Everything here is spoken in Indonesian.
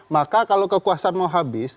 maka kalau kekuasaan mau habis